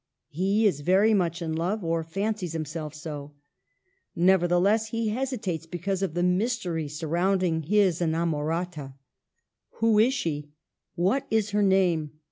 He is very much in love, or fancies himself so. Nevertheless he hesitates because of the mystery surrounding his inamorata. Who is she ? What is her name